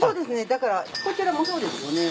だからこちらもそうですよね。